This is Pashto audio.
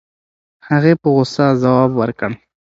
هغې په غوسه ځواب ورکړ.